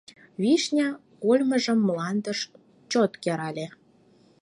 Вишня кольмыжым мландыш чошт керале.